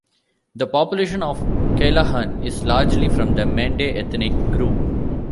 The population of Kailahun is largely from the Mende ethnic group.